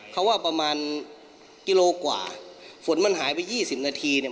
เขาว่าประมาณกิโลกว่าฝนมันหายไปยี่สิบนาทีเนี่ย